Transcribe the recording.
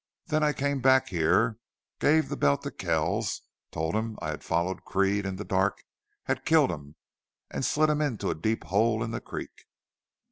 Then I came back here, gave the belt to Kells, told him I had followed Creede in the dark, had killed him and slid him into a deep hole in the creek....